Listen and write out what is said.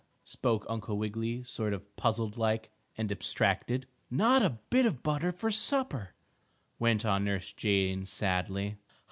spoke Uncle Wiggily, sort of puzzled like, and abstracted. "Not a bit of butter for supper," went on Nurse Jane, sadly.